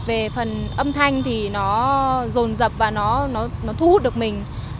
về phần âm thanh thì nó rồn rập và nó thu hút được mình